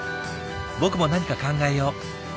僕も何か考えよう。